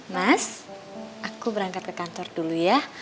mas aku berangkat ke kantor dulu ya